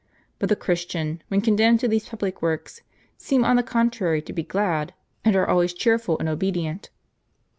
But the Christians, when condemned to these public works, seem, on the contrary, to be glad, and are always cheerful and obedient.